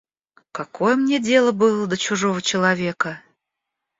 Какое мне дело было до чужого человека?